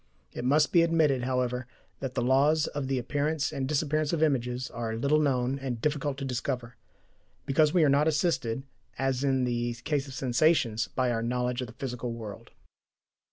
It must be admitted, however, that the laws of the appearance and disappearance of images are little known and difficult to discover, because we are not assisted, as in the case of sensations, by our knowledge of the physical world.